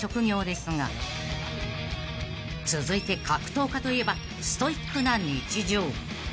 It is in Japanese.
［続いて格闘家といえばストイックな日常］